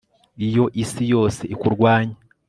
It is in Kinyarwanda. iyo isi yose ikurwanya